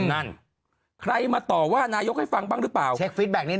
นั่นใครมาต่อว่านายกให้ฟังบ้างหรือเปล่าเช็คฟิตแบบนี้